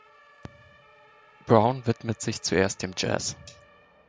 Brown widmet sich zuerst dem Jazz.